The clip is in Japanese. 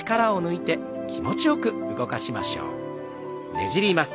ねじります。